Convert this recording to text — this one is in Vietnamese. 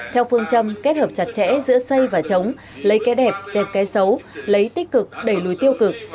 theo phương châm kết hợp chặt chẽ giữa xây và chống lấy cái đẹp dẹp cái xấu lấy tích cực đẩy lùi tiêu cực